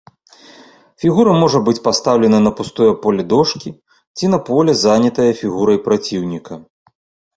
Фігура можа быць пастаўлена на пустое поле дошкі ці на поле, занятае фігурай праціўніка.